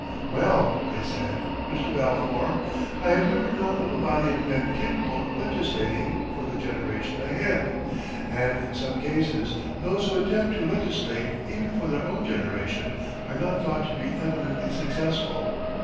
"Well," I said, "Mr. Balfour, I have never known of a body of men capable of legislating for the generation ahead, and in some cases those who attempt to legislate even for their own generation are not thought to be eminently successful."